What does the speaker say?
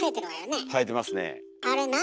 あれ何？